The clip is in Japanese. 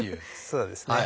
そうですね。